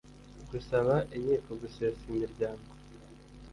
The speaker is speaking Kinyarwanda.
gusaba inkiko gusesa imiryango